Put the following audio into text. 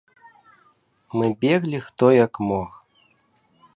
Мы беглі хто як мог.